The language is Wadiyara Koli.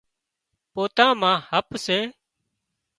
پوتان مان هپ سي